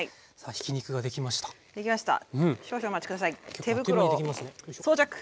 手袋を装着！